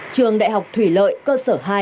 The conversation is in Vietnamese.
trường đại học thủy lợi cơ sở hai